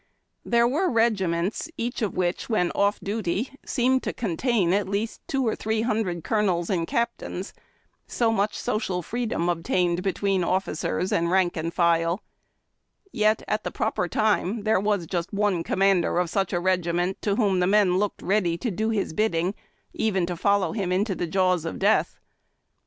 There were regiments each of which, when off duty, seemed to contain at least two or three hundred colonels and captains, so much social free dom obtained between officers and rank and file, yet at the proper time there was just one com mander of such a regiment to whom the men looked ready to do his bidding, even to follow him into the jaws of death.